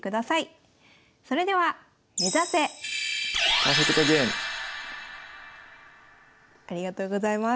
それではありがとうございます。